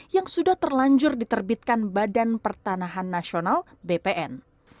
yang sudah terlanjur diterbitkan badan pertanahan nasional bpn